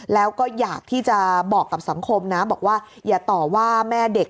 แล้วก็อยากที่จะบอกกับสังคมนะบอกว่าอย่าต่อว่าแม่เด็ก